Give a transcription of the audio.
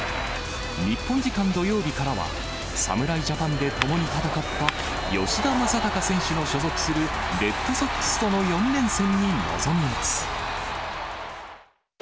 日本時間土曜日からは、侍ジャパンで共に戦った吉田正尚選手の所属するレッドソックスとの４連戦に臨みます。